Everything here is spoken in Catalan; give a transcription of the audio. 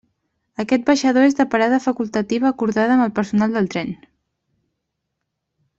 Aquest baixador és de parada facultativa acordada amb el personal del tren.